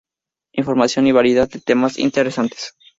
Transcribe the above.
Información y variedad de temas interesantes.